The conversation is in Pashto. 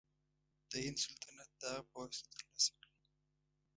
د هند سلطنت د هغه په واسطه تر لاسه کړي.